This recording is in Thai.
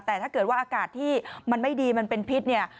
แต่ถ้าเกิดว่าอากาศที่มันไม่ดีมันเป็นพิษเนี่ย